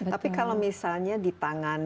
tapi kalau misalnya di tangan